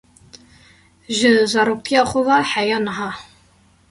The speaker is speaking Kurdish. Ji zaroktiya xwe ve heya niha.